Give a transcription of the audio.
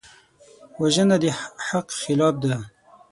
وژنه د حق خلاف ده